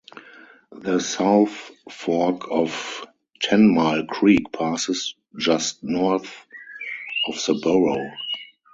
The South Fork of Tenmile Creek passes just north of the borough.